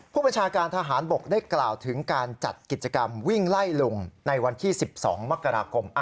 ผู้บัญชาการทหารบกได้กล่าวถึงการจัดกิจกรรมวิ่งไล่ลุงในวันที่๑๒มกราคม